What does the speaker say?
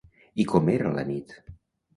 I com era la nit?